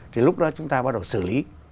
thì lúc đó chúng ta bắt đầu xử lý